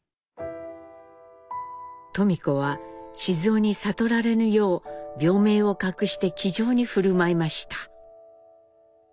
登美子は雄に悟られぬよう病名を隠して気丈に振る舞いました。